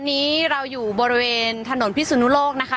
วันนี้เราอยู่บริเวณถนนพิสุนุโลกนะคะ